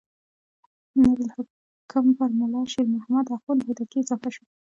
نور الحکم پر ملا شیر محمد اخوند هوتکی اضافه شو.